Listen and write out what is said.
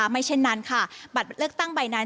ไม่เช่นนั้นค่ะบัตรเลือกตั้งใบนั้น